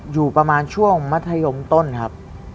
อยู่ประมาณช่วงมัธยมต้นครับ